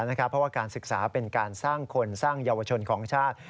เพราะว่าการศึกษาเป็นการสร้างคนสร้างเยาวชนของชาติ